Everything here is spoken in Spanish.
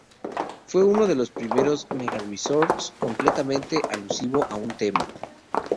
Fue uno de los primeros mega-resorts completamente alusivo a un tema.